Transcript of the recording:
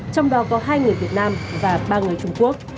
trong đó có hai người việt nam và ba người trung quốc